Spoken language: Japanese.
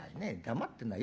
黙ってなよ